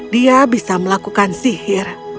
dia bisa melakukan sihir